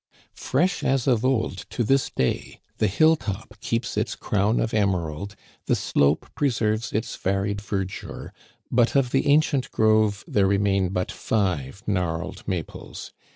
Fresh as of old, to this day the hill top keeps its crown of emerald, the slope preserves its varied verdure ; but of the ancient grove there remain but five gnarled maples.